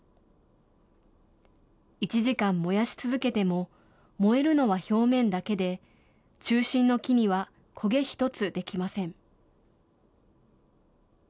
１時間燃やし続けても、燃えるのは表面だけで、中心の木には焦げ一つ出来ません。